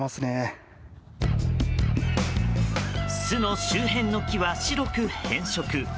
巣の周辺の木は、白く変色。